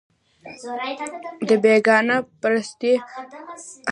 د بېګانه پرستۍ هم حد وي